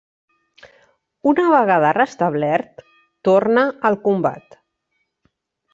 Una vegada restablert torna al combat.